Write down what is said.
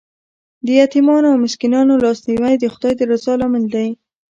د یتیمانو او مسکینانو لاسنیوی د خدای د رضا لامل دی.